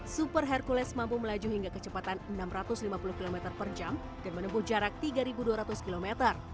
super hercules mampu melaju hingga kecepatan enam ratus lima puluh km per jam dan menempuh jarak tiga dua ratus km